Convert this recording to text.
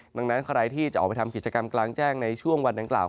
ดังนั้นใครที่จะออกไปทำกิจกรรมกลางแจ้งในช่วงวันดังกล่า